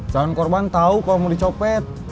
jangan korban tau kalau mau dicopet